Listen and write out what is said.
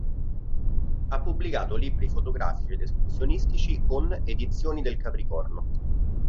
Ha pubblicato libri fotografici ed escursionistici con "Edizioni del Capricorno".